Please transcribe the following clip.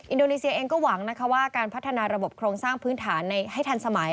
อินโดนีเซียเองก็หวังนะคะว่าการพัฒนาระบบโครงสร้างพื้นฐานให้ทันสมัย